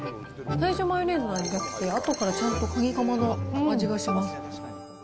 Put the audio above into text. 最初、マヨネーズの味がきて、あとからちゃんとかにかまの味がします。